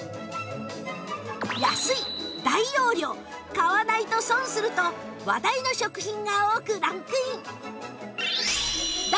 安い大容量買わないと損すると話題の食品が多くランクイン